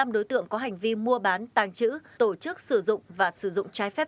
năm đối tượng có hành vi mua bán tàng trữ tổ chức sử dụng và sử dụng trái phép